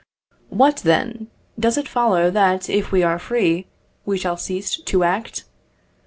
What then? Does it follow that, if we are free, we shall cease to act?